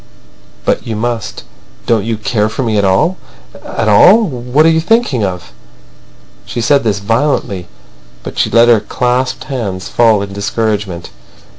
"But you must. Don't you care for me at all—at all? What are you thinking of?" She said this violently, but she let her clasped hands fall in discouragement.